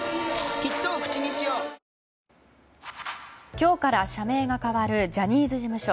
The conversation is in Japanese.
今日から社名が変わるジャニーズ事務所。